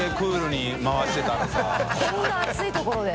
こんなに暑いところで。